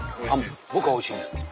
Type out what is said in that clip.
僕はおいしいです。